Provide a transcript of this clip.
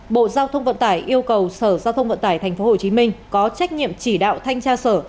bộ giao thông vận tải yêu cầu sở giao thông vận tải tp hcm có trách nhiệm chỉ đạo thanh tra sở